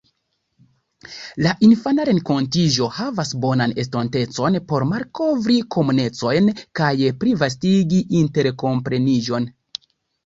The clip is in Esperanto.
La infana renkontiĝo havas bonan estontecon por malkovri komunecojn kaj plivastigi interkompreniĝon.